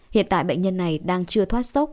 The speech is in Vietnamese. hiện tại bệnh nhân này đang chưa thoát sốc